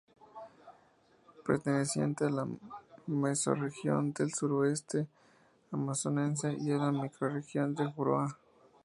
Perteneciente a la mesorregión del Suroeste Amazonense y a la microrregión de Juruá.